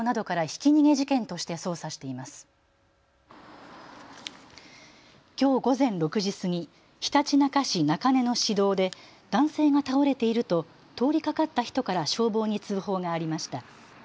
きょう午前６時過ぎ、ひたちなか市中根の市道で男性が倒れていると通りかかった人から消防に通報がありました。